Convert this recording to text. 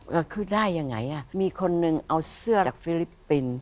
ก็คือได้ยังไงมีคนหนึ่งเอาเสื้อจากฟิลิปปินส์